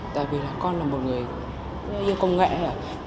tại vì là con là một người yêu công nghệ